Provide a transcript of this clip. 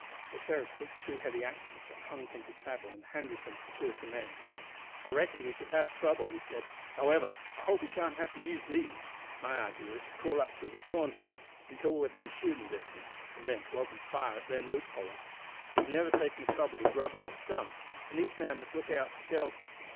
The sheriff took two heavy axes that hung from his saddle, and handed them to two of the men. "I reckoned we should have trouble," he said. "However, I hope we sha'n't have to use these. My idea is to crawl up through the corn field until we are within shooting distance, and then to open fire at the loopholes. They have never taken the trouble to grub up the stumps, and each man must look out for shelter.